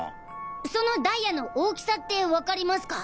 そのダイヤの大きさってわかりますか？